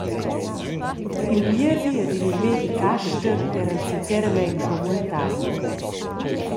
Il miedi ed il medicaster eran sinceramein commuentai.